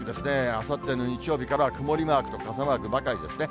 あさっての日曜日からは曇りマークと傘マークばかりですね。